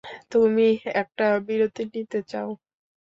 তুমি একটা বিরতি নিতে চাও।